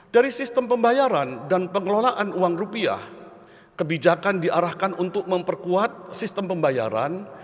dari sistem pembayaran dan pengelolaan uang rupiah kebijakan diarahkan untuk memperkuat sistem pembayaran